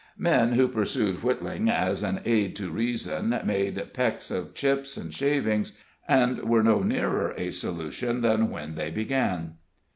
Men who pursued wittling as an aid to reason made pecks of chips and shavings, and were no nearer a solution than when they began.